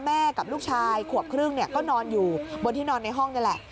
กับลูกชายขวบครึ่งก็นอนอยู่บนที่นอนในห้องนี่แหละ